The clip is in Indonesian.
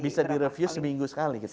bisa direview seminggu sekali kita ngerti